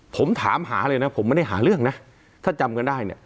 ผมถามหาเลยนะผมไม่ได้หาเรื่องนะถ้าจำกันได้เนี่ย